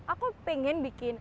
aku pengen bikin